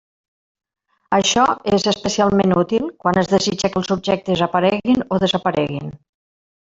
Això és especialment útil quan es desitja que els objectes apareguin o desapareguin.